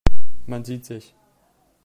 Man sieht sich.